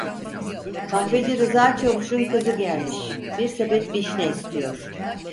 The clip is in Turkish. Kahveci Rıza Çavuş'un kızı gelmiş, bir sepet vişne istiyor!